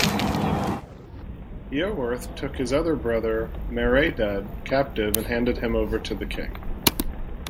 Iorwerth took his other brother, Maredudd, captive and handed him over to the king.